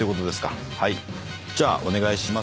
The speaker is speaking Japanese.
じゃあお願いします。